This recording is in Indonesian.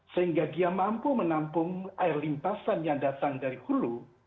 sehingga dia mampu menampung air limpasan yang datang dari hulu